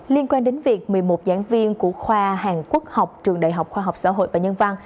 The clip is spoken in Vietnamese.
liên quan đến việc một mươi một giảng viên của khoa hàn quốc học trường đại học khoa học xã hội và nhân văn